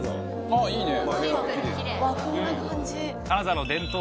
ああいいね。